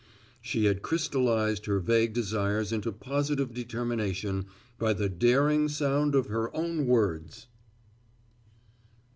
She had crystallized her vague desires into positive determination by the daring sound of her own words.